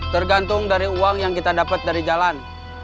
tergantung dari uang yang kita dapat dari jalan